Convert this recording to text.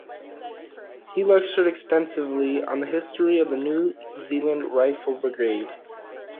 He lectured extensively on the history of the New Zealand Rifle Brigade.